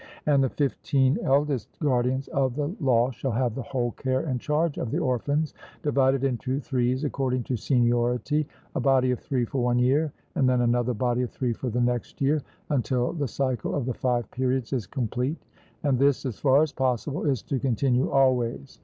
And the fifteen eldest guardians of the law shall have the whole care and charge of the orphans, divided into threes according to seniority a body of three for one year, and then another body of three for the next year, until the cycle of the five periods is complete; and this, as far as possible, is to continue always.